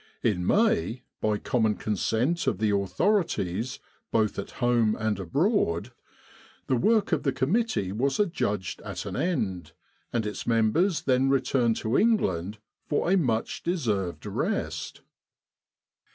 In May, by common consent of the authorities both at home and abroad, the work of the committee was 221 With the R.A.M.C. in Egypt adjudged at an end, and its members then returned to England for a much deserved rest.